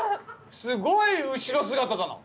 すごい後ろ姿だな。